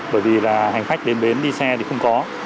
bởi vì là hành khách đến bến đi xe thì không có